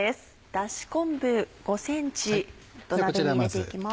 だし昆布５ｃｍ土鍋に入れて行きます。